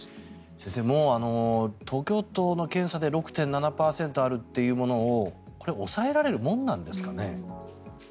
先生、もう東京都の検査で６．７％あるというものを抑えられるものなんですかね？